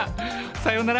さようなら！